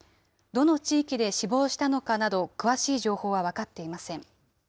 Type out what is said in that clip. どの地域で死亡したのかなど、詳しい情報は分かっていません。